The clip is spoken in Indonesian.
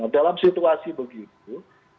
dalam situasi begitu